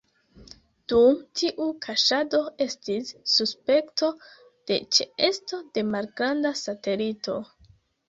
Dum tiu kaŝado, estis suspekto de ĉeesto de malgranda satelito.